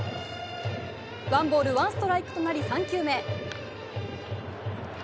ワンボールワンストライクとなり、３球目。